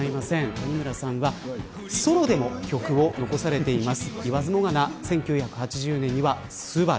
谷村さんはソロでも曲を残されています。